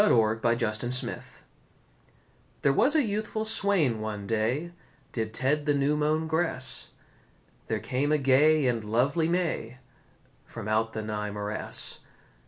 THE ELF BRIDE There was a youthful swain one day Did ted the new mown grass; There came a gay and lovely may From out the nigh morass.